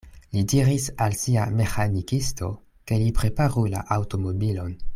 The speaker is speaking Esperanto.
Li diris al sia meĥanikisto, ke li preparu la aŭtomobilon.